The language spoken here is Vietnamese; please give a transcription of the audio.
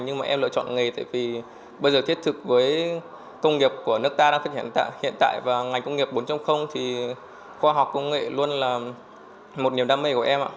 nhưng mà em lựa chọn nghề tại vì bây giờ thiết thực với công nghiệp của nước ta đang phát triển hiện tại hiện tại và ngành công nghiệp bốn thì khoa học công nghệ luôn là một niềm đam mê của em ạ